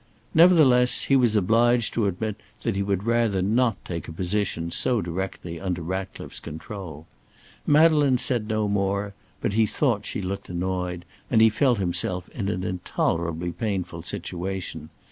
Nevertheless, he was obliged to admit that he would rather not take a position so directly under Ratcliffe's control. Madeleine said no more, but he thought she looked annoyed, and he felt himself in an intolerably painful situation.